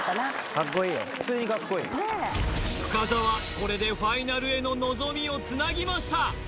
これでファイナルへの望みをつなぎました